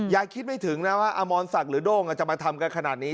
คิดไม่ถึงนะว่าอมรศักดิ์หรือโด้งจะมาทำกันขนาดนี้